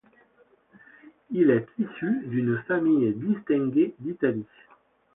Il est issu d'une famille distinguée d'Italie.